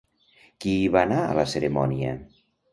Qui hi va anar a la cerimònia?